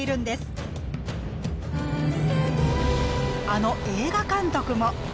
あの映画監督も！